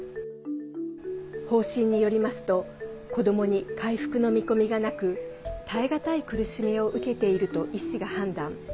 方針によりますと子どもに回復の見込みがなく耐えがたい苦しみを受けていると医師が判断。